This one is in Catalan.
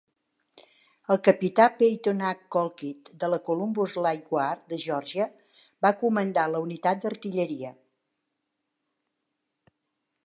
El capità Peyton H. Colquitt de la Columbus Light Guard de Geòrgia va comandar la unitat d'artilleria.